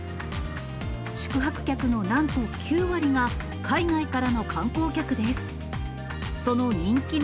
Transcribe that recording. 宿泊客のなんと９割は、海外からの観光客です。